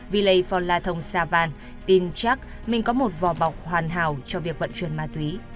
vì lấy phò la thông xa vàn tin chắc mình có một vò bọc hoàn hảo cho việc vận chuyển ma túy